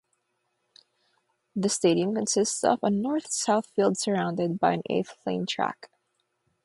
The stadium consists of a north-south field surrounded by an eight-lane track.